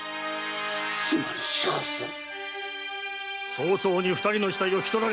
早々に二人の死体を引き取られい。